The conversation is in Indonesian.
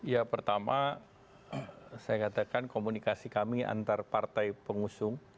ya pertama saya katakan komunikasi kami antar partai pengusung